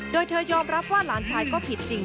โดยเธอยอมรับว่าหลานชายก็ผิดจริง